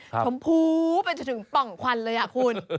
ชมพูเป็นจนถึงปล่องขวัญเลยอ่ะคุณ